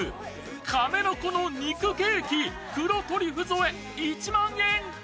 カメノコの肉ケーキ・黒トリュフ添え、１万円。